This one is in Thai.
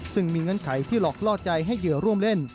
ซึ่งมีเงื่อนไขที่หลอกล่อใจให้เหยื่อร่วมเล่น